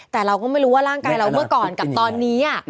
แต่เราก็ไม่รู้ว่าร่างกายเราเมื่อก่อนกับตอนนี้